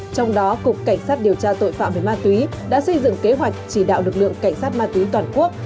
trong đó cục cảnh sát điều tra tội phạm về ma túy đã xây dựng kế hoạch chỉ đạo lực lượng cảnh sát ma túy toàn quốc